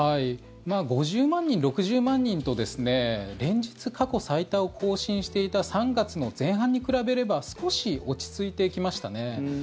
５０万人、６０万人と連日、過去最多を更新していた３月の前半に比べれば少し落ち着いてきましたね。